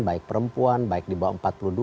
baik perempuan baik di bawah empat puluh dua